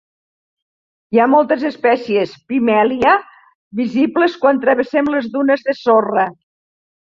Hi ha moltes espècies "Pimelia" visibles quan travessen les dunes de sorra.